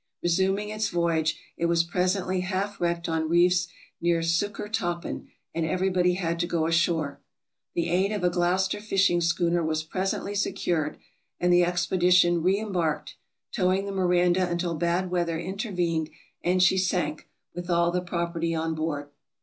Resuming its voyage, it was presently half wrecked on reefs near Suk kertoppen, and everybody had to go ashore. The aid of a Gloucester fishing schooner was presently secured, and the expedition reembarked, towing the " Miranda " until bad weather intervened and she sank, with all the property on board.